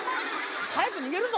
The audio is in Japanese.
早く逃げるぞ。